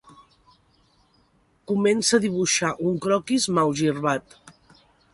Comença a dibuixar un croquis malgirbat.